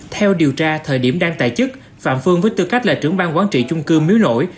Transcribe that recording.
theo điều tra thời điểm đang tại chức phạm phương với tư cách là trưởng bang quản trị chung cư miếu nổi